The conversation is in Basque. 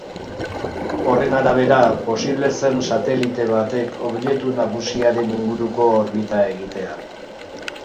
Horren arabera, posible zen satelite batek objektu nagusiaren inguruko orbita egitea.